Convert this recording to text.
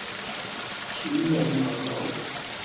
錢又唔係無